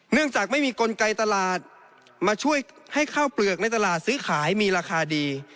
จากไม่มีกลไกตลาดมาช่วยให้ข้าวเปลือกในตลาดซื้อขายมีราคาดี